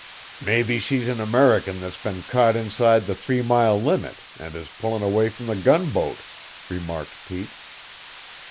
"Maybe she's an American that's been caught inside the three mile limit, and is pullin' away from the gunboat," remarked Pete.